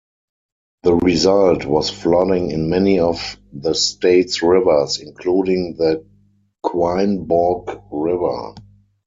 The result was flooding in many of the state's rivers, including the Quinebaug River.